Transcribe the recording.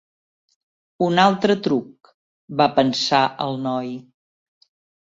Un altre truc, va pensar el noi.